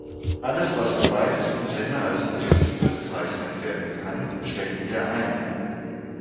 Alles, was im weitesten Sinne als Poesie bezeichnet werden kann, stecken wir ein.